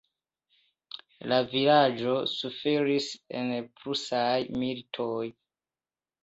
La vilaĝo suferis en Prusaj militoj.